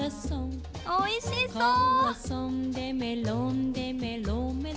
おいしそう！